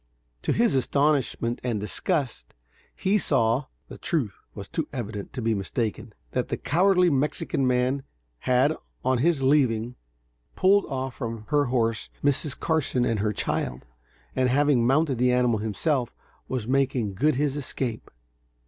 To his astonishment and disgust, he saw (the truth was too evident to be mistaken) that the cowardly Mexican man had, on his leaving, pulled off from her horse Mrs. Carson and her child, and having mounted the animal himself, was making good his escape.